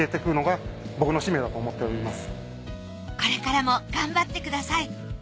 これからも頑張ってください。